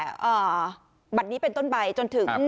ปัจจุดนี้เป็นต้นใบจนถึง